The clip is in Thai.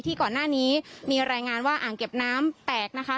ก่อนหน้านี้มีรายงานว่าอ่างเก็บน้ำแตกนะคะ